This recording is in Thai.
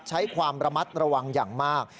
ใช้ความระมัดระวังอย่างมาก